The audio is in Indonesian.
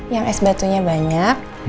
yang es batunya banyak